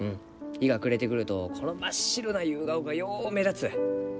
日が暮れてくるとこの真っ白なユウガオがよう目立つ。